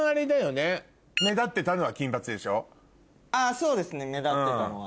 そうですね目立ってたのは。